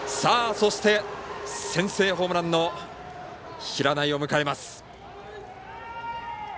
そして、先制ホームランの平内を迎えます。